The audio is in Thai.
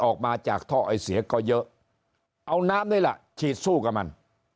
ออกมาจากท่อไอเสียก็เยอะเอาน้ำนี่แหละฉีดสู้กับมัน